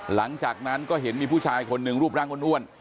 หลังจากนั้นก็เห็นมีผู้ชายคนหนึ่งรูปร่างอ้วน